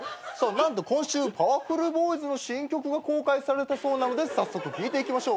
何と今週パワフルボーイズの新曲が公開されたそうなので早速聴いていきましょう。